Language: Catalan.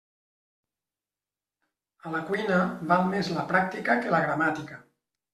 A la cuina, val més la pràctica que la gramàtica.